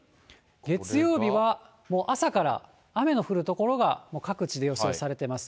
月曜日はもう朝から雨の降る所が各地で予想されてます。